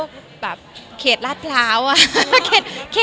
คุณแม่มะม่ากับมะมี่